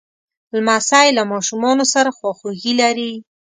لمسی له ماشومانو سره خواخوږي لري.